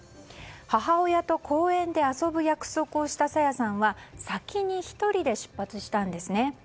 母親と公園で遊ぶ約束をした朝芽さんは先に１人で出発したんですね。